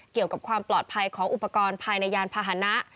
เกี่ยวกับความปลอดภัยของอุปกรณ์ภายในยานพาหนะ